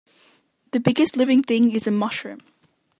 The biggest living thing is a mushroom.